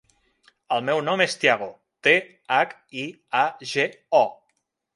El meu nom és Thiago: te, hac, i, a, ge, o.